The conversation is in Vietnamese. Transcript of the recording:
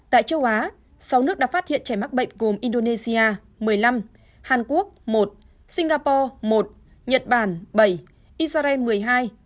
tại châu á sáu nước đã phát hiện trẻ mắc bệnh gồm indonesia một mươi năm hàn quốc một singapore một nhật bản bảy israel một mươi hai